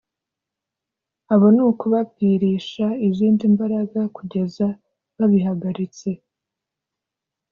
abo ni ukubabwirisha izindi mbaraga kugeza babihagaritse